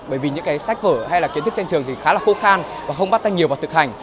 bởi vì những sách vở hay kiến thức trên trường khá là khô khan và không bắt tay nhiều vào thực hành